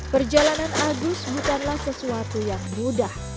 perjalanan agus bukanlah sesuatu yang mudah